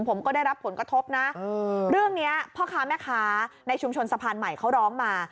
ผมก็ได้รับผลกระทบนะเรื่องนี้พ่อค้าแม่ค้าในชุมชนสะพานใหม่เขาร้องมา